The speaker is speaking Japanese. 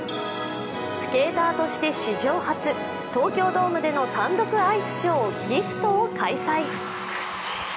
スケーターとして史上初、東京ドームでの単独アイスショー、「ＧＩＦＴ」を開催。